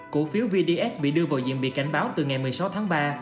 cổ phiếu vds bị đưa vào diện bị cảnh báo từ ngày một mươi sáu tháng ba